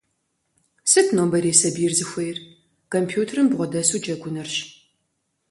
Сыт нобэрей сабийр зыхуейр? Компьютерым бгъэдэсу джэгунырщ.